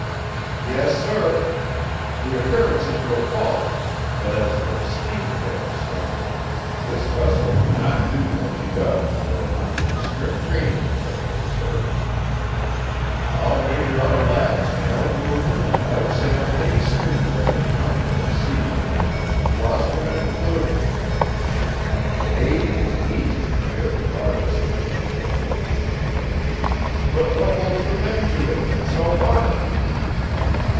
"Yes, sir. The appearances were false, but as for seamanship, sir, this vessel could not do what she does were it not for the strict training aboard her, sir. I'll wager our lads can out maneuver and outsail any schooner of her tonnage on the seas, Gloucestermen included. The navy is easy compared to our discipline." "But what holds the men to it if it's so hard?"